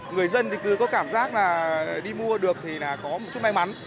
người dân thì cứ có cảm giác là đi mua được thì là có một chút may mắn